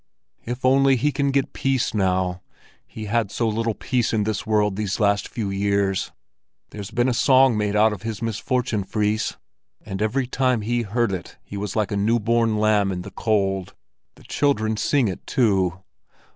"If only he can get peace now! He had so little peace in this world these last few years. There's been a song made about his misfortune, Fris, and every time he heard it he was like a new born lamb in the cold. The children sing it, too."